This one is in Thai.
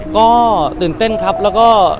ก็ตื่นเต้นครับแล้วก็